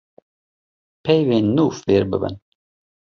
peyvên nû fêr bibin